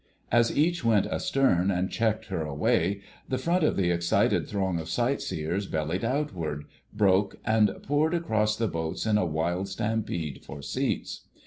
As each went astern and checked her way, the front of the excited throng of sightseers bellied outward, broke, and poured across the boats in a wild stampede for seats.